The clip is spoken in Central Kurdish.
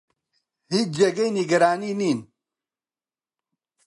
هیچ جێگەی نیگەرانی نین.